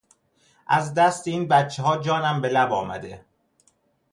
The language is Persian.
از دست این بچهها جانم به لب آمده!